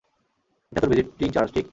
এটা তোর visiting charge, ঠিক?